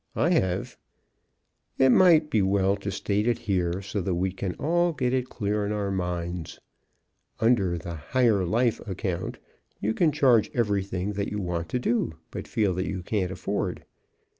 I have. It might be well to state it here so that we can all get it clear in our minds. Under the "Higher Life" account you can charge everything that you want to do, but feel that you can't afford.